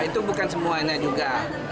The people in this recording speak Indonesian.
itu bukan semuanya juga